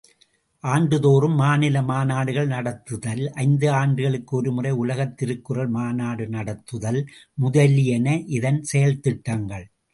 ஆண்டுதோறும் மாநில மாநாடுகள் நடத்துதல், ஐந்து ஆண்டுகளுக்கு ஒருமுறை உலகத் திருக்குறள் மாநாடு நடத்துதல் முதலியன இதன் செயல்திட்டங்கள்.